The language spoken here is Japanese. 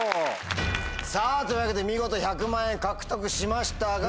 さぁというわけで見事１００万円獲得しましたが。